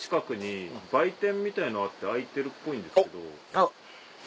あっ。